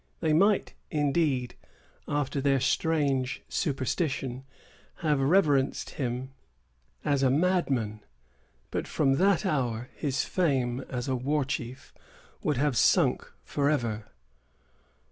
They might, indeed, after their strange superstition, have reverenced him as a madman; but, from that hour, his fame as a war chief would have sunk forever.